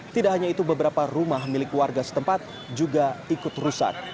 tidak hanya itu beberapa rumah milik warga setempat juga ikut rusak